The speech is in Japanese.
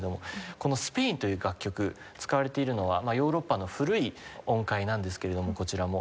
この『スペイン』という楽曲使われているのはヨーロッパの古い音階なんですけれどもこちらも。